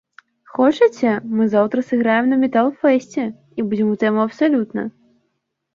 Хочаце, мы заўтра сыграем на метал-фэсце і будзем у тэму абсалютна?